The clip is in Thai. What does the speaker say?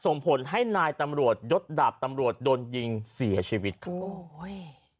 ส่งผลให้นายตำรวจยศดาบตำรวจโดนยิงเสียชีวิตครับโอ้ย